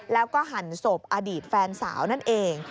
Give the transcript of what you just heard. แล้วก็หั่นศพอดีตแฟนสาวนั่นเอง